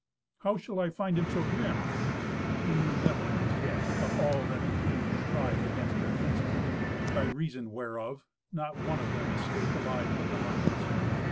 "How shall I find him so grim?" He knew nothing, as yet, of all that the queen contrived against her kinsmen: by reason whereof not one of them escaped alive from the Huns.